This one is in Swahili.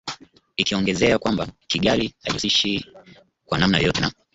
ikiongezea kwamba Kigali haijihusishi kwa namna yoyote na